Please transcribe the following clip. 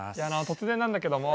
突然なんだけども。